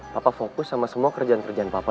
papa fokus sama semua kerjaan kerjaan papa